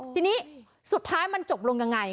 ทีนี้สุดท้ายมันจบลงยังไง